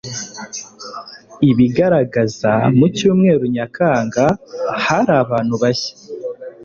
ibigaragaza, mu cyumweru nyakanga, hari abantu bashya